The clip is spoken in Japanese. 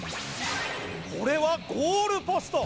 これはゴールポスト